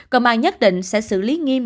còn mà nhất định sẽ xử lý nghiêm